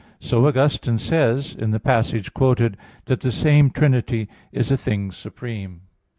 So Augustine says, in the passage quoted, that "the same Trinity is a thing supreme."